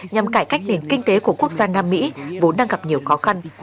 nhằm cải cách nền kinh tế của quốc gia nam mỹ vốn đang gặp nhiều khó khăn